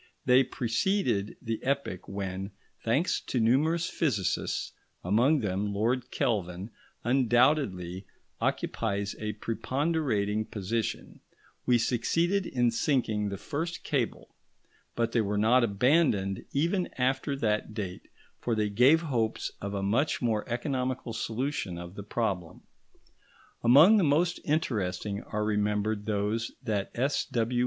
They preceded the epoch when, thanks to numerous physicists, among whom Lord Kelvin undoubtedly occupies a preponderating position, we succeeded in sinking the first cable; but they were not abandoned, even after that date, for they gave hopes of a much more economical solution of the problem. Among the most interesting are remembered those that S.W.